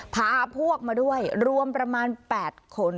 พาพวกมาด้วยรวมประมาณ๘คน